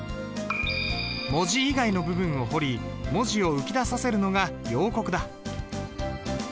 文字以外の部分を彫り文字を浮き出させるのが陽刻だ。